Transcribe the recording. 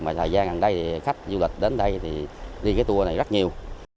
mà thời gian gần đây thì khách du lịch đến đây thì đi cái tour này rất nhiều